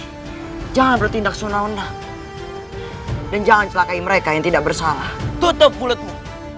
hai jangan bertindak senang senang dan jangan selakai mereka yang tidak bersalah tutup mulutmu